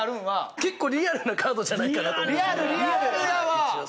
結構リアルなカードじゃないかなと思うんですよ